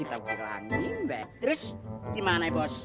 terus gimana bos